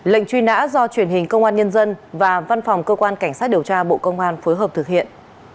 lệnh truy nã do truyền hình công an nhân dân và văn phòng cơ quan cảnh sát điều tra bộ công an phối hợp thực hiện